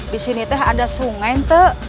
disini teh ada sungai tuh